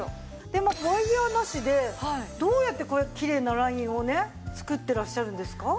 でもワイヤなしでどうやってこうやってきれいなラインをね作ってらっしゃるんですか？